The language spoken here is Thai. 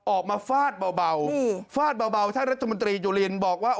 ฟาดเบาฟาดเบาท่านรัฐมนตรีจุลินบอกว่า